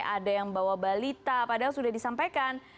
ada yang bawa balita padahal sudah disampaikan